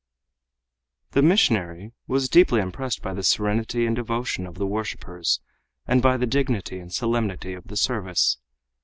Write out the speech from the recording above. The missionary was deeply impressed by the serenity and devotion of the worshipers and by the dignity and solemnity of the service.